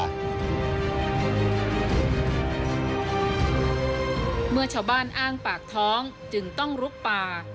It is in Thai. เมื่อชาวบ้านอ้างปากท้องจึงต้องลุกป่า